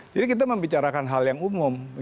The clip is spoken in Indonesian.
jadi kita membicarakan hal yang umum